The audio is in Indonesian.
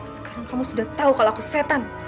sekarang kamu sudah tahu kalau aku setan